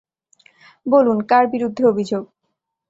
বলুন, কার বিরুদ্ধে অভিযোগ?